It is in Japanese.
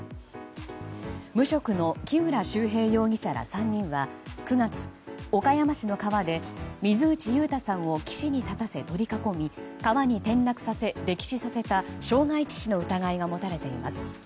無職の木浦修平容疑者ら３人は９月、岡山市の川で水内悠太さんを岸に立たせ取り囲み川に転落させ溺死させた傷害致死の疑いが持たれています。